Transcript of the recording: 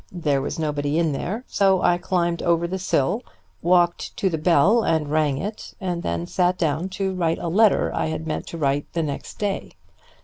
There was nobody in there, so I climbed over the sill, walked to the bell and rang it, and then sat down to write a letter I had meant to write the next day.